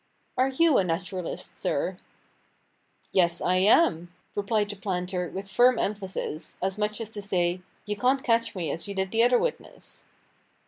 "Are you a naturalist, sir?" "Yes, I am," replied the planter, with firm emphasis, as much as to say, you can't catch me as you did the other witness.